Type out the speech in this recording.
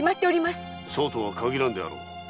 そうとは限らぬであろう。